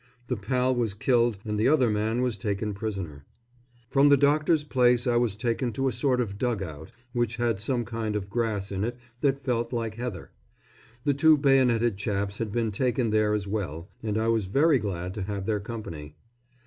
The pal was killed and the other man was taken prisoner. From the doctors' place I was taken to a sort of dug out, which had some kind of grass in it that felt like heather. The two bayoneted chaps had been taken there as well, and I was very glad to have their company.